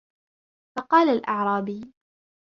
فَقَالَ الْأَعْرَابِيُّ